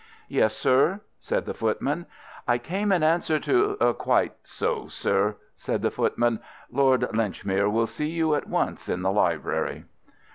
"Yes, sir?" said the footman. "I came in answer to——" "Quite so, sir," said the footman. "Lord Linchmere will see you at once in the library."